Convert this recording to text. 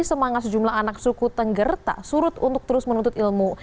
semangat sejumlah anak suku tengger tak surut untuk terus menuntut ilmu